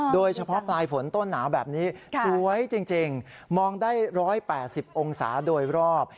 โดยเฉพาะปลายฝนต้นหนาวแบบนี้สวยจริงมองได้๑๘๐องศาโดยรอบ